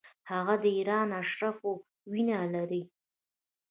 هغه د ایران اشرافو وینه لري.